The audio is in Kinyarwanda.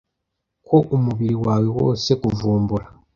ko umubiri wawe wose kuvumbura